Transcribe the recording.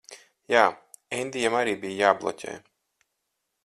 Jā. Endijam arī bija jābloķē.